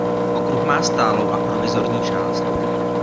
Okruh má stálou a provizorní část.